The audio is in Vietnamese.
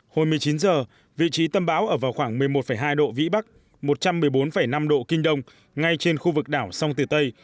hồi một mươi chín h vị trí tâm bão ở vào khoảng một mươi một hai độ vĩ bắc một trăm một mươi bốn năm độ kinh đông ngay trên khu vực đảo sông tử tây